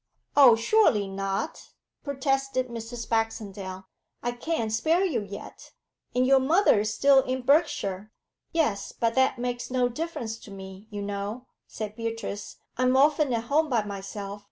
'Oh, surely not!' protested Mrs. Baxendale. 'I can't spare you yet. And your mother is still in Berkshire.' 'Yes, but that makes no difference to me, you know,' said Beatrice. 'I'm often at home by myself.